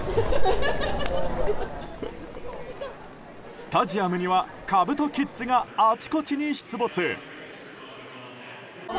スタジアムにはかぶとキッズがあちこちに出没。